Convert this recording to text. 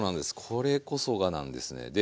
これこそがなんですね。